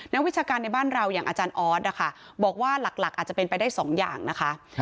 วิชาการในบ้านเราอย่างอาจารย์ออสนะคะบอกว่าหลักอาจจะเป็นไปได้๒อย่างนะคะ